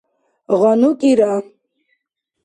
гъану кӀира